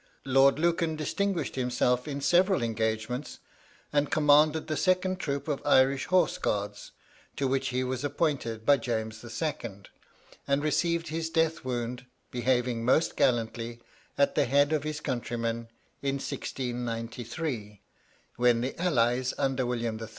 Lord Lucan distinguished himself in several engagements, and commanded the second troop of Irish Horse Guards, to which he was appointed by James II., and received his death wound, behaving most gallantly at the head of his countrymen, in 1693, when the allies, under William III.